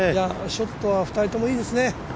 ショットは２人ともいいですね。